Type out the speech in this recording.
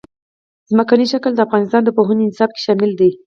ځمکنی شکل د افغانستان د پوهنې نصاب کې شامل دي.